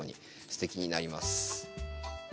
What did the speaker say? すてきになります。